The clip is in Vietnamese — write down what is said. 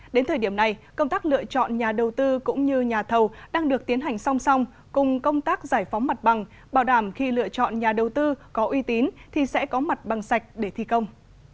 đến thời điểm này công tác lựa chọn nhà đầu tư cũng như nhà thầu đang được tiến hành song song cùng công tác giải phóng mặt bằng bảo đảm khi lựa chọn nhà đầu tư có uy tín thì sẽ có mặt bằng sạch để thi công